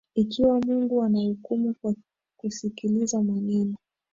Ikiwa Mungu anahukumu kwa kusikiza maneno